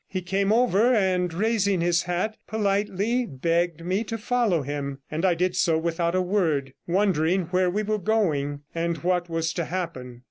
He came over, and raising his hat, politely begged me to follow him, and I did so without a word, wondering where we were going, and what was to happen.